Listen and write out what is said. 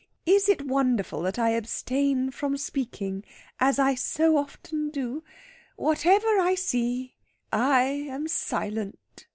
Is it wonderful that I abstain from speaking, as I so often do? Whatever I see, I am silent."